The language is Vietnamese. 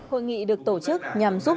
hội nghị được tổ chức